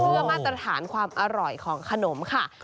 เพื่อมาตรฐานความอร่อยของขนมค่ะ